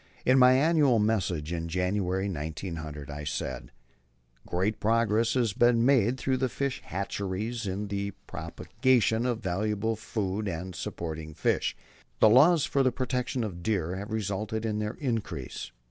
In my Annual Message, in January, 1900, I said: "Great progress has been made through the fish hatcheries in the propagation of valuable food and sporting fish. The laws for the protection of deer have resulted in their increase.